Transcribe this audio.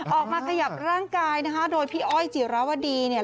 ขยับร่างกายนะคะโดยพี่อ้อยจิรวดีเนี่ย